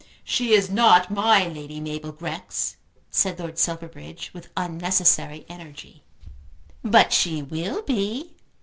"She is not my Lady Mabel Grex," said Lord Silverbridge with unnecessary energy. "But she will be."